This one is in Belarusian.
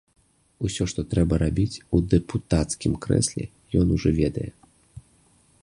Усё, што трэба рабіць у дэпутацкім крэсле, ён ужо ведае.